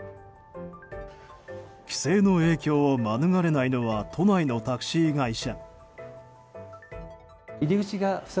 規制の影響を免れないのは都内のタクシー会社。